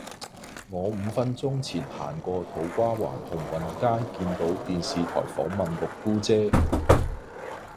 我五分鐘前行過土瓜灣鴻運街見到電視台訪問六姑姐